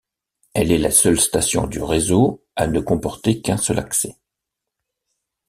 Elle est la seule station du réseau à ne comporter qu'un seul accès.